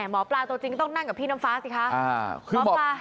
หมอปลาตัวจริงต้องนั่งกับพี่น้ำฟ้าสิคะหมอปลา